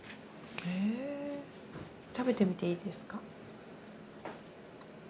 へ食べてみていいですか。